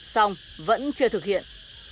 xong vẫn chưa thực hiện